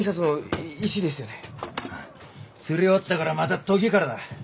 刷り終わったからまた研ぎからだ。